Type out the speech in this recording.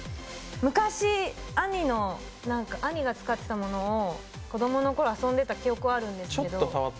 昔、兄が使っていたものを子供の頃、遊んでいた記憶はあるんですけど。